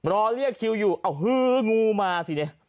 รอเรียกคิวอยู่อ่าหื้องูมาสิไง